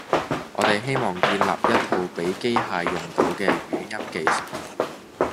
我哋希望建立一套畀機器用到嘅語音技術